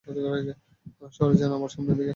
সরে যান আমার সামনে থেকে।